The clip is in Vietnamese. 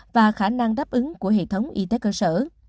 và khả năng đáp ứng của hệ thống y tế cơ sở